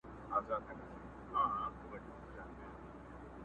هم سلوک هم یې رفتار د ملکې وو!